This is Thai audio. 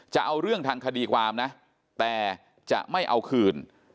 จะเอาเรื่องทางคดีความนะแต่จะไม่เอาคืน